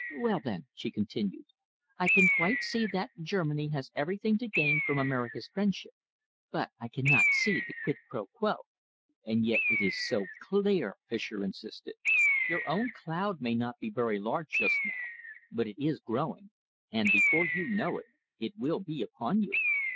"Well, then," she continued, "I can quite see that Germany has everything to gain from America's friendship, but I cannot see the quid pro quo." "And yet it is so clear," Fischer insisted. "Your own cloud may not be very large just now, but it is growing, and, before you know it, it will be upon you.